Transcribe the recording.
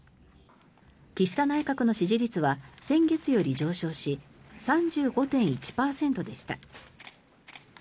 岸田内閣の支持率は先月より上昇し３５．１％でした。